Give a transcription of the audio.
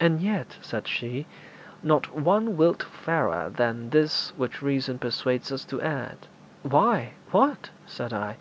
'And yet,' said she, 'not one whit fairer than this which reason persuades us to add.' 'Why, what?' said I.